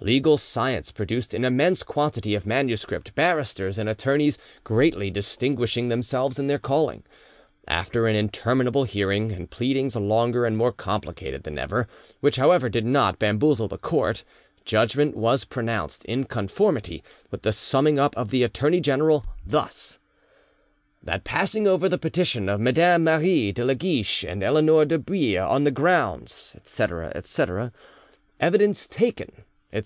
Legal science produced an immense quantity of manuscript, barristers and attorneys greatly distinguishing themselves in their calling. After an interminable hearing, and pleadings longer and more complicated than ever, which however did not bamboozle the court, judgment was pronounced in Conformity with the summing up of the attorney general, thus— "That passing over the petition of Mesdames Marie de la Guiche and Eleonore de Bouille, on the grounds," etc. etc.; "Evidence taken," etc.